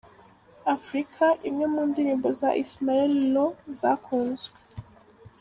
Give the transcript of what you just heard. Africa, imwe mu ndirimbo za Ismaël Lô zakunzwe.